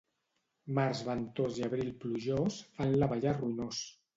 Març ventós i abril plujós fan l'abellar ruïnós.